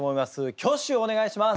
挙手をお願いします。